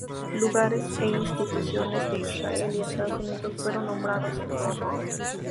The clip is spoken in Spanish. Lugares e instituciones de Israel y Estados Unidos fueron nombrados en su honor.